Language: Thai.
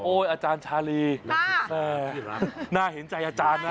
อาจารย์ชาลีแม่น่าเห็นใจอาจารย์นะ